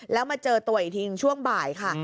แล้วมาจอกเจอตัวที่ถึงช่วงบ่าย